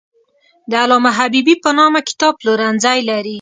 د علامه حبیبي په نامه کتاب پلورنځی لري.